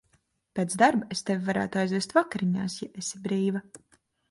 Pēc darba es tevi varētu aizvest vakariņās, ja esi brīva.